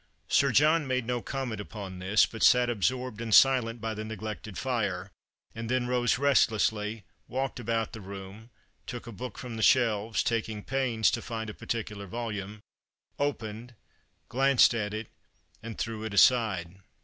Sir John made no comment upon this, but sat absorbed and silent by the neglected fire, and then rose restlessly, walked about the room, took a book from the shelves, taking pains to find a particular volume, opened, glanced at it, and threw it aside.